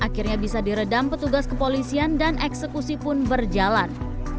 akhirnya bisa diredam petugas kepolisian dan eksekusi pun berjalan